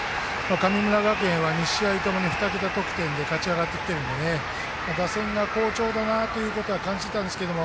神村学園は、２試合とも２桁得点で勝ち上がってきているので打線が好調だなということは感じたんですけど